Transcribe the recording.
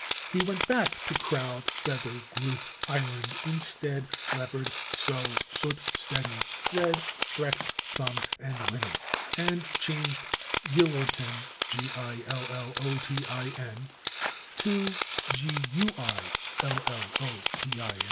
In 1828 he went back to /crowd/, /feather/, /group/, /island/, /instead/, /leopard/, /sew/, /soot/, /steady/, /thread/, /threat/, /thumb/ and /women/, and changed /gillotin/ to /guillotin